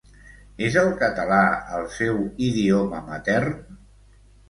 És el català el seu idioma matern?